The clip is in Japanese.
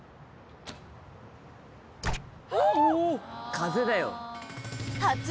風だよ。